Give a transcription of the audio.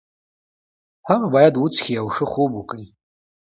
هغه باید وڅښي او ښه خوب وکړي.